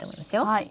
はい。